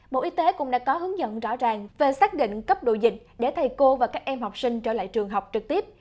bộ y tế cũng đã có hướng dẫn rõ ràng về xác định cấp độ dịch để thầy cô và các em học sinh trở lại trường học trực tiếp